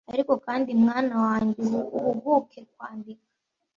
Ariko kandi mwana wanjye uhuguke Kwandika